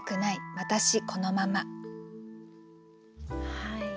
はい。